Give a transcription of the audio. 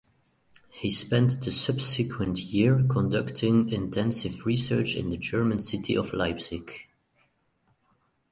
He spent the subsequent year conducting intensive research in the German city of Leipzig.